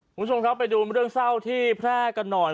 คุณผู้ชมครับไปดูเรื่องเศร้าที่แพร่กันหน่อย